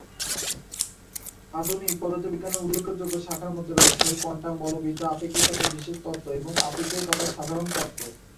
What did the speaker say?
আধুনিক পদার্থবিজ্ঞানের উল্লেখযোগ্য শাখার মধ্যে রয়েছে কোয়ান্টাম বলবিদ্যা, আপেক্ষিকতার বিশেষ তত্ত্ব এবং আপেক্ষিকতার সাধারণ তত্ত্ব।